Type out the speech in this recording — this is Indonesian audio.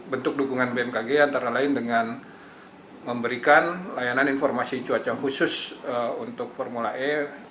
bentuk dukungan bmkg antara lain dengan memberikan layanan informasi cuaca khusus untuk formula e